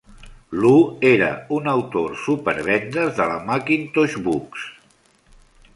Lu era un autor supervendes de la Macintosh Books.